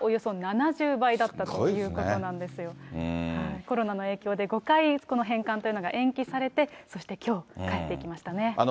コロナの影響で５回、返還というのが延期されて、そしてきょう、帰っていきましたね。